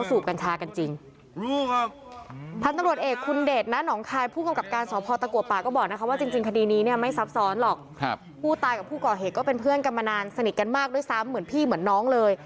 สะนิดกันมากด้วยซ้ำเหมือนพี่เหมือนน้องเลย